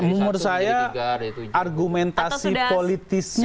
menurut saya argumentasi politisnya